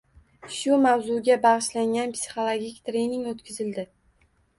Shu mavzusiga bagʻishlangan psixologik trening oʻtkazildi.